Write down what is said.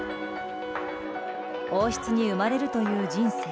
王室に生まれるという人生。